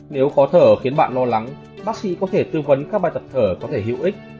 nếu khó thở khiến bạn lo lắng bác sĩ có thể tư vấn các bài tập thở có thể hữu ích